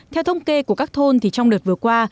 theo thông kê của các thôn thì trong đợt vừa qua